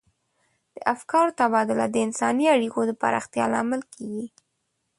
د افکارو تبادله د انساني اړیکو د پراختیا لامل کیږي.